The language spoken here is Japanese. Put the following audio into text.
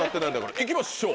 行きましょう。